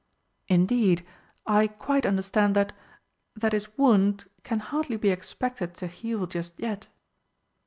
"Indeed I quite understand that that his wound can hardly be expected to heal just yet."